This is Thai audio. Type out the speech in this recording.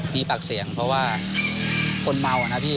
มีปากเสียงเพราะว่าคนเมาอ่ะนะพี่